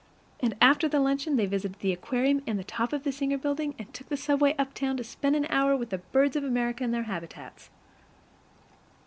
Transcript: And after luncheon they visited the aquarium and the top of the Singer Building, and took the subway uptown to spend an hour with the birds of America in their habitats.